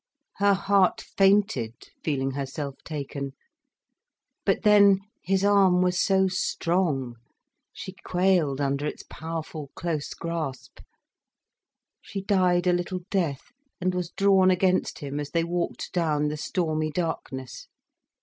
Her heart fainted, feeling herself taken. But then, his arm was so strong, she quailed under its powerful close grasp. She died a little death, and was drawn against him as they walked down the stormy darkness.